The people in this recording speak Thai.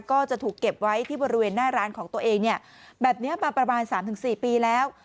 ก็จะถูกเก็บไว้ที่บริเวณหน้าร้านของตัวเองเนี่ยแบบนี้มาประมาณ๓๔ปีแล้ว